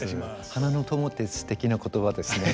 花の友ってすてきな言葉ですね。